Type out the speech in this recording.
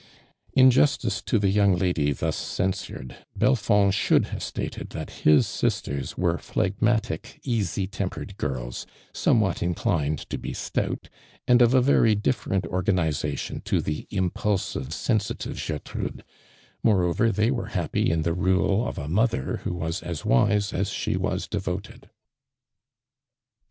Injustice to the young lady thus censur ed, Belfond should have sttited that his sis ters were phlegmatic, easy tempered girls, somewhat inclined to be stout, and of a very different organization to the impulsive, sen sitive Gertrude; moreover they were liappy in the rule of a mother who was as wi e as she was <levote(l. 82 AllMAND DUUAND.